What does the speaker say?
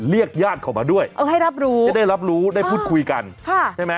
ญาติเขามาด้วยเออให้รับรู้จะได้รับรู้ได้พูดคุยกันค่ะใช่ไหม